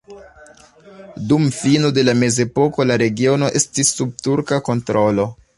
Dum fino de la mezepoko la regiono estis sub turka kontrolo.